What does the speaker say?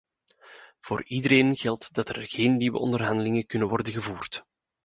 Voor iedereen geldt dat er geen nieuwe onderhandelingen kunnen worden gevoerd.